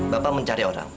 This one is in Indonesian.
bapak mencari orang